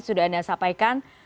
sudah anda sampaikan